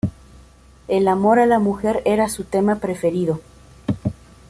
El amor a la mujer era su tema preferido.